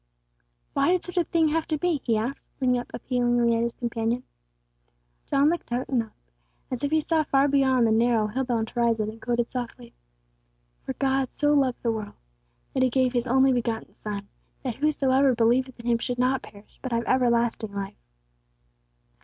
"Why did such a thing have to be?" he asked, looking up appealingly at his companion. John looked out and up, as if he saw far beyond the narrow, hill bound horizon, and quoted softly: "_For God so loved the world, that He gave His only begotten Son, that whosoever believeth in Him should not perish, but have everlasting life.